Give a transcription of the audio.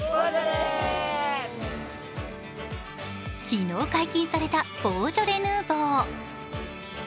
昨日解禁されたボージョレ・ヌーボー。